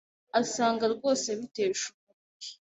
asanga rwose bitesha umutwe.